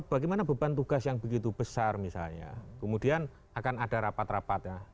bagaimana beban tugas yang begitu besar misalnya kemudian akan ada rapat rapat ya